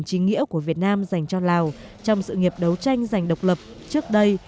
trí nghĩa của việt nam dành cho lào trong sự nghiệp đấu tranh dành độc lập trước đây